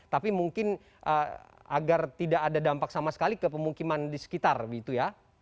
tapi mungkin agar tidak ada dampak sama sekali ke pemukiman di sekitar gitu ya